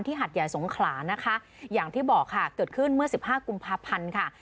หัดใหญ่สงขลานะคะอย่างที่บอกค่ะเกิดขึ้นเมื่อสิบห้ากุมภาพันธ์ค่ะ